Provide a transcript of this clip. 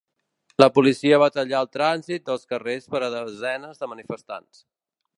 La policia va tallar el trànsit dels carrers per a desenes de manifestants.